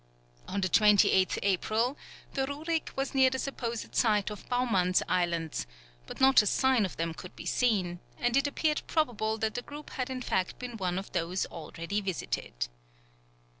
On the 28th April, the Rurik was near the supposed site of Bauman's Islands, but not a sign of them could be seen, and it appeared probable that the group had in fact been one of those already visited.